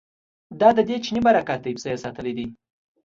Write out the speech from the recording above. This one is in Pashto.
دا ددې چیني برکت دی پسه یې ساتلی دی.